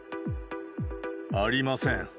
ありません。